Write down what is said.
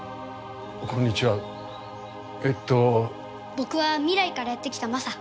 僕は未来からやって来たＭＡＳＡ。